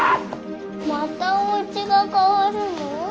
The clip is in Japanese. またおうちがかわるの？